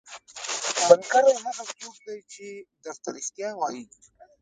ملګری هغه څوک دی چې درته رښتیا وايي.